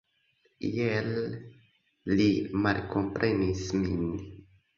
Iel li malkomprenis min.